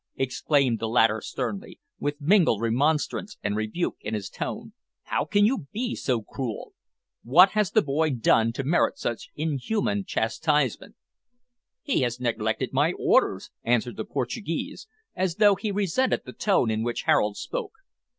exclaimed the latter sternly, with mingled remonstrance and rebuke in his tone, "how can you be so cruel? What has the boy done to merit such inhuman chastisement?" "He has neglected my orders," answered the Portuguese, as though he resented the tone in which Harold spoke.